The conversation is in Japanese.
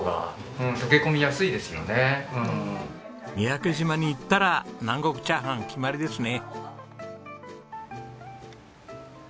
三宅島に行ったら南国チャーハン決まりですね。